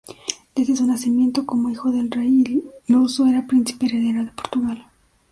Desde su nacimiento, como hijo del rey luso, era Príncipe heredero de Portugal.